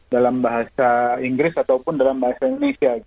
dalam bahasa inggris ataupun dalam bahasa indonesia